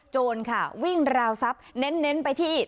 โจรค่ะวิ่งราวทรัพย์เน้นไปที่